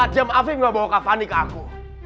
dua puluh empat jam afif gak bawa kak fani ke aku